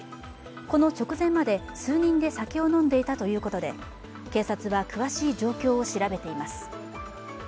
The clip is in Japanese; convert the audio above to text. この直前まで数人で酒を飲んでいたということで警察は詳しい状況を調べています。